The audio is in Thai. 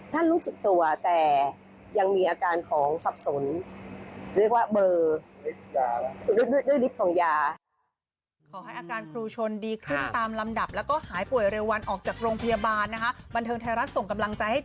ท่านรู้สึกตัวแต่ยังมีอาการของซับสน